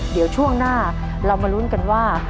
เดี๋ยวช่วงหน้าเรามาลุ้นกันว่า